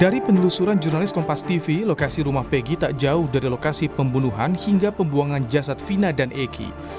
dari penelusuran jurnalis kompas tv lokasi rumah pegi tak jauh dari lokasi pembunuhan hingga pembuangan jasad fina dan eki